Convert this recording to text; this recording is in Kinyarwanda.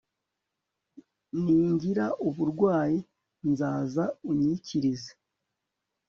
ningira uburwayi, nzaza unyikirize